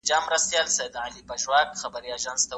ایا تکړه پلورونکي وچ انار پلوري؟